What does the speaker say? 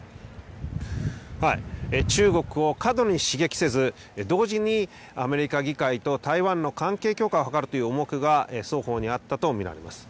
中国を過度に刺激せず、同時にアメリカ議会と台湾の関係強化を図るという思惑が双方にあったと見られます。